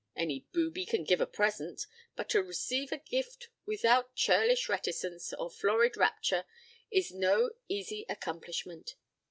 Any booby can give a present; but to receive a gift without churlish reticence or florid rapture is no easy accomplishment.